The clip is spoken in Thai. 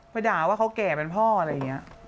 ด่าว่าเขาแก่เป็นพ่ออะไรอย่างนี้